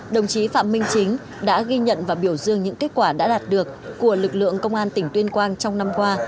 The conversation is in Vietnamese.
đồng chí phạm minh chính đã ghi nhận và biểu dương những kết quả đã đạt được của lực lượng công an tỉnh tuyên quang trong năm qua